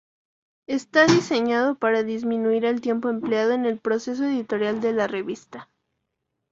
Está diseñado para disminuir el tiempo empleado en el proceso editorial de la revista.